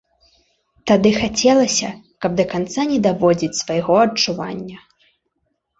Тады хацелася, каб да канца не даводзіць свайго адчування.